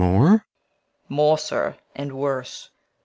More, sir, and worse.